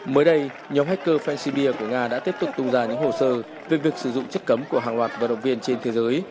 mới đây nhóm hacker faceb của nga đã tiếp tục tung ra những hồ sơ về việc sử dụng chất cấm của hàng loạt vận động viên trên thế giới